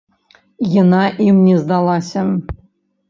Яна ім не здалася.